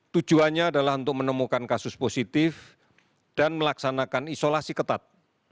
tujuannya adalah untuk menemukan kasus positif dan melaksanakan isolasi ketat